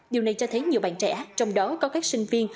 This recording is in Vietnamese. điều này cho thấy nhiều bạn trẻ trong đó có các sinh viên